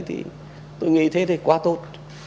thì tôi nghĩ thế thì quá tốt